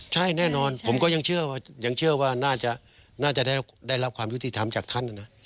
ใช่แน่นอนผมก็ยังเชื่อว่ายังเชื่อว่าน่าจะได้รับความยุติธรรมจากท่านนะ